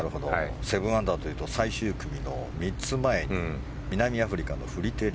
７アンダーというと最終組の３つ前に南アフリカのフリテリ。